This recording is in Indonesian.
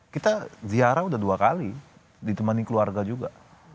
kita ziarah udah dua kali ditemani keluarga juga